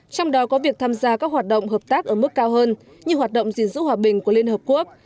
trong đó có việc tham gia các hoạt động hợp tác ở mức cao hơn như hoạt động gìn giữ hòa bình của liên hợp quốc